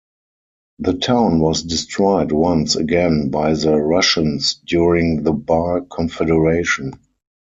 The town was destroyed once again by the Russians during the Bar Confederation.